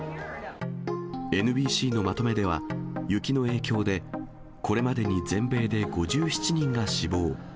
ＮＢＣのまとめでは、雪の影響でこれまでに全米で５７人が死亡。